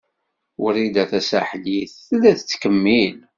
Wrida Tasaḥlit tella tettkemmil.